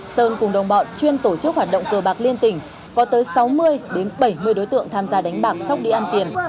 sơn cùng đồng bọn chuyên tổ chức hoạt động cờ bạc liên tỉnh có tới sáu mươi bảy mươi đối tượng tham gia đánh bạc sốc đi ăn tiền